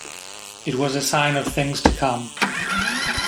It was a sign of things to come.